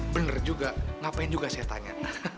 bener juga ngapain juga saya tanya